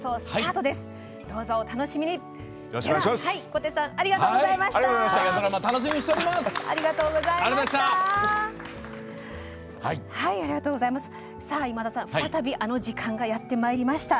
小手さんありがとうございました。